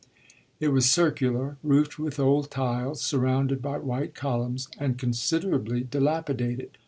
It was circular, roofed with old tiles, surrounded by white columns and considerably dilapidated.